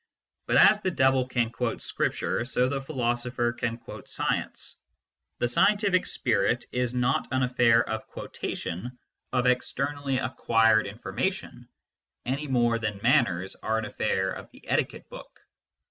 But as the devil can quote Scripture, so the philosopher can quote science. The scientific spirit is not an affair of. 44 MYSTICISM AND LOGIC quotation, of externally acquired information, any more than manners are an affair of the etiquette book.